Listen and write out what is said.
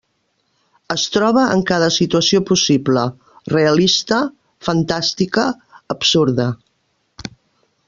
Es troba en cada situació possible: realista, fantàstica, absurda.